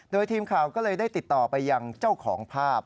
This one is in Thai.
โดยทีมข่าวก็เลยได้ติดต่อไปยังเจ้าของภาพ